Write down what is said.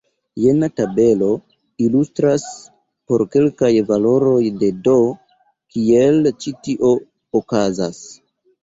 Jena tabelo ilustras, por kelkaj valoroj de "d", kiel ĉi tio okazas.